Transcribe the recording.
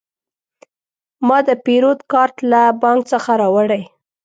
ما د پیرود کارت له بانک څخه راوړی.